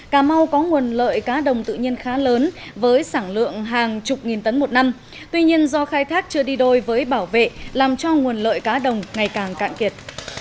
cà mau có nguồn lợi cá đồng tự nhiên khá lớn với sản lượng hàng chục nghìn tấn một năm tuy nhiên do khai thác chưa đi đôi với bảo vệ làm cho nguồn lợi cá đồng ngày càng cạn kiệt